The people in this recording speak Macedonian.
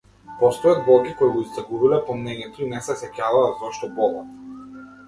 Постојат болки кои го загубиле помнењето и не се сеќаваат зошто болат.